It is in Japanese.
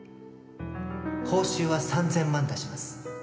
報酬は３０００万出します。